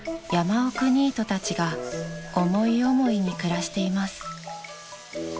山奥ニートたちが思い思いに暮らしています］